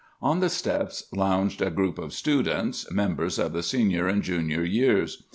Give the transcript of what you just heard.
On the steps, lounged a group of students, members of the Senior and Junior years.